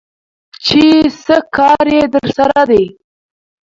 چې څه کار يې درسره دى?